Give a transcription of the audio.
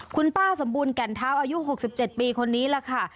คุณป้าสมบูรณแก่นเท้าอายุ๖๗ปีคนนี้แหละค่ะ